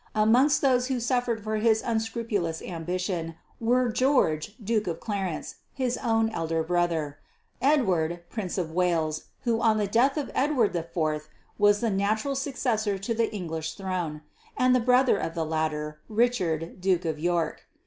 Amongst those who suffered for his unscrupulous ambition were George Duke of Clarence, his own elder brother, Edward Prince of Wales, who on the death of Edward IV was the natural successor to the English throne, and the brother of the latter, Richard Duke of York.